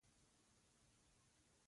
احمد راته وويل چې د احمد پښه مو ور وتړله.